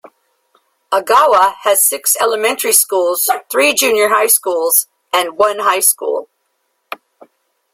Ogawa has six elementary schools, three junior high schools, and one high school.